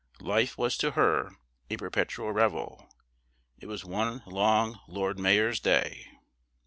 Life was to her a perpetual revel; it was one long Lord Mayor's Day.